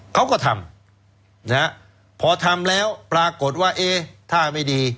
เขาก็ทำนะฮะพอทำแล้วปรากฏว่าเอ๊ะท่าไม่ดี